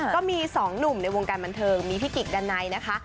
ก็มี๒หนุ่มในวงการบันเทิงมีพี่กิกดันไนนะคะ